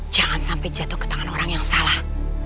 jangan sampai jatuh ke tangan orang yang salah